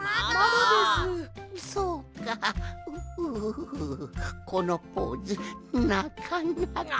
うううこのポーズなかなか。